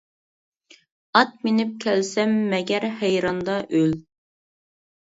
ئات مىنىپ كەلسەم مەگەر ھەيراندا ئۆل.